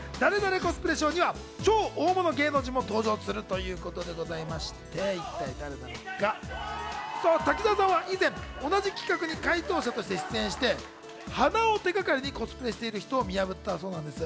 コスプレショーには超大物芸能人も登場するらしいですが、滝沢さんは以前、同じ企画に解答者として出演して、鼻を手掛かりにコスプレしている人を見破ったそうなんです。